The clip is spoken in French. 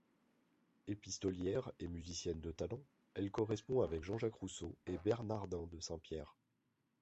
Épistolière et musicienne de talent, elle correspond avec Jean-Jacques Rousseau et Bernardin de Saint-Pierre.